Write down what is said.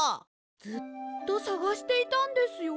ずっとさがしていたんですよ。